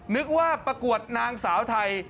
นึกว่าประกวดนางสาวไทย